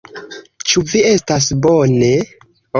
Ĉu vi estas bone?